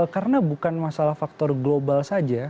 karena bukan masalah faktor global saja